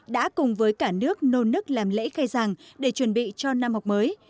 đã cùng với cả nước nôn nức làm lễ khai giảng để chuẩn bị cho năm học mới